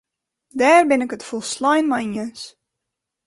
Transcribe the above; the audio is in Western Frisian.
Dêr bin ik it folslein mei iens.